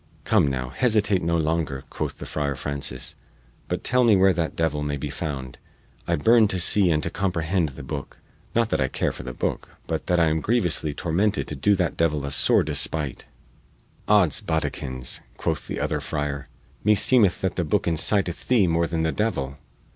"Come, now, hesitate no longer," quoth the Friar Francis, "but tell me where that devil may be found I burn to see and to comprehend the booke not that I care for the booke, but that I am grievously tormented to do that devil a sore despight!" "Odds boddikins," quoth the other friar, "me seemeth that the booke inciteth thee more than the devil."